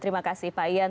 terima kasih pak ian